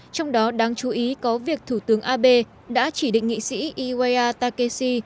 trong đó đáng chú ý có việc thủ tướng abe đã chỉ định nghị sĩ iwaya takeshi